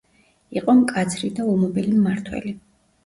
იყო მკაცრი და ულმობელი მმართველი.